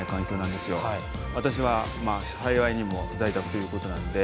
私は幸いにも在宅ということなんで。